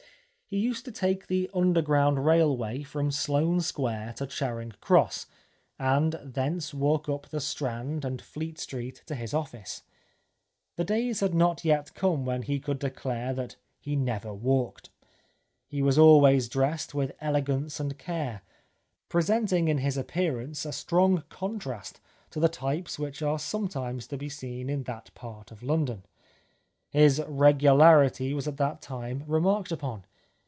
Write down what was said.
He used to take the underground railway from Sloane Square to Charing Cross, and thence walk up the Strand and Fleet Street to his ofhce. The days had not yet come when he could declare that " he never walked." He was always dressed with elegance and care, presenting in his appearance a strong contrast to the types which are sometimes to be seen in that part of London. His regularity was at that time remarked upon.